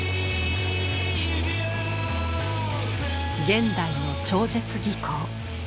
「現代の超絶技巧」。